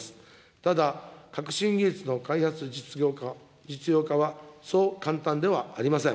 ただ、革新技術の開発、実用化はそう簡単ではありません。